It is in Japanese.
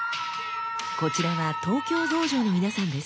こちらは東京道場の皆さんです。